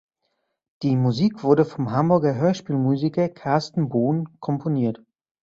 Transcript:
Die Musik wurde vom Hamburger Hörspiel-Musiker Carsten Bohn komponiert.